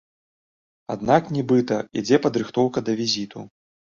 Аднак, нібыта, ідзе падрыхтоўка да візіту.